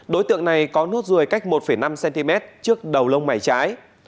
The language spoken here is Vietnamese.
đối tượng này có nốt ruồi cách một năm cm trước đầu lông mày trái